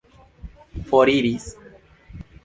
foriris